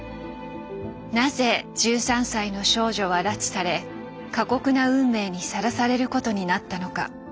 なぜ１３歳の少女は拉致され過酷な運命にさらされることになったのか